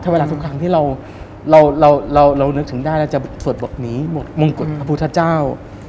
เวลาทุกครั้งที่เราเรานึกถึงได้เราจะสวดบทนี้บทมงกุฎพระพุทธเจ้า